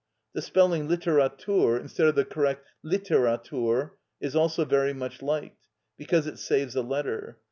The spelling "Literatur" instead of the correct "Litteratur" is also very much liked, because it saves a letter.